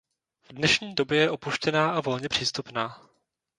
V dnešní době je opuštěná a volně přístupná.